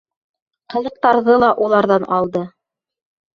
Ҡылыҡтарҙы ла уларҙан алды.